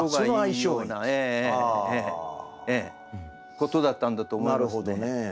ことだったんだと思いますね。